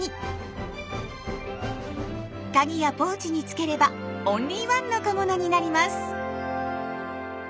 カギやポーチにつければオンリーワンの小物になります。